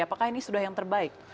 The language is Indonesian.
apakah ini sudah yang terbaik